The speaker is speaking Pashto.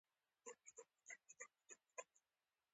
په دې ولايت كې د اېف اېم راډيو او ټېلوېزون جوړ